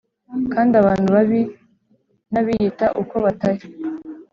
Kandi abantu babi n abiyita uko batari